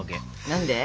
何で？